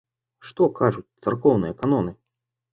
Што кажуць царкоўныя каноны?